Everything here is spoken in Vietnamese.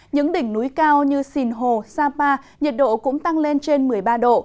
những đỉnh núi cao như sìn hồ sa pa nhiệt độ cũng tăng lên trên một mươi ba độ